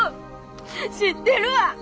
知ってるわ！